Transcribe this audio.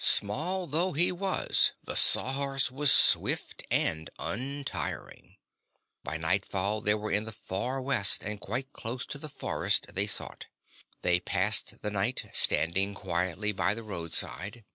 Small though he was, the Sawhorse was swift and untiring. By nightfall they were in the far west and quite close to the forest they sought. They passed the night standing quietly by the roadside.